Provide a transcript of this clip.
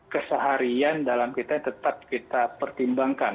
keseharian dalam kita tetap kita pertimbangkan